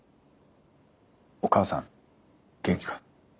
お母さん元気か？